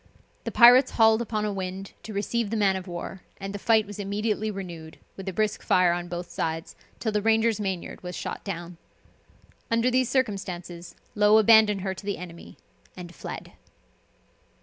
The pirates hauled upon a wind to receive the man of war, and the fight was immediately renewed, with a brisk fire on both sides, till the Ranger's mainyard was shot down. Under these circumstances, Low abandoned her to the enemy, and fled.